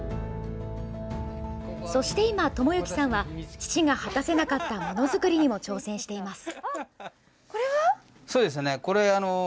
そして今、朋行さんは父が果たせなかったものづくりにも挑戦しています。